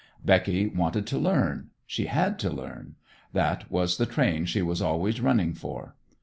Becky wanted to learn, she had to learn; that was the train she was always running for.